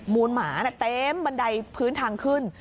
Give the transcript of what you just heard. หมาเต็มบันไดพื้นทางขึ้น